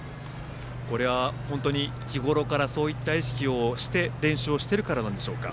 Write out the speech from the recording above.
日頃からそういった意識をして練習をしているからなんでしょうか。